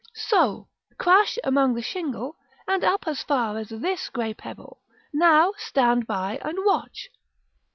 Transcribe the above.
So, crash among the shingle, and up as far as this grey pebble; now stand by and watch!